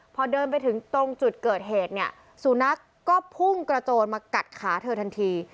พอเดินไปถึงตรงจุดเกิดเหตุเนี่ยสุนัขก็พุ่งกระโจนมากัดขาเธอทันที